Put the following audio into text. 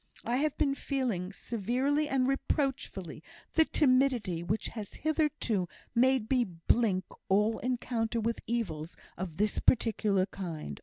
I have been feeling, severely and reproachfully, the timidity which has hitherto made me blink all encounter with evils of this particular kind.